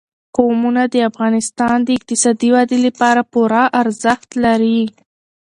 قومونه د افغانستان د اقتصادي ودې لپاره پوره ارزښت لري.